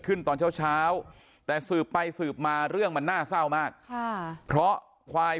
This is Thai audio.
ตอนเช้าเช้าแต่สืบไปสืบมาเรื่องมันน่าเศร้ามากค่ะเพราะควาย